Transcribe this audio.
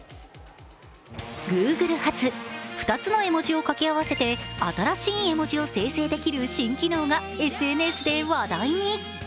Ｇｏｏｇｌｅ発、２つの絵文字を掛け合わせて新しい絵文字を生成できる新機能がＳＮＳで話題に。